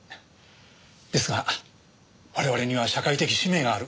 ですが我々には社会的使命がある。